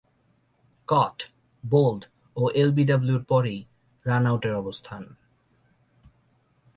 কট, bowled ও এলবিডব্লিউ’র পরই রান আউটের অবস্থান।